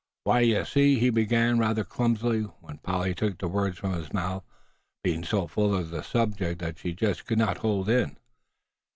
"W'y, yuh see," he began, rather clumsily; when Polly took the words from his mouth, being so full of the subject that she just could not hold in.